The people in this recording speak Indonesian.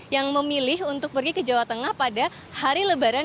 yang memilih untuk pergi ke jawa tengah pada hari lebaran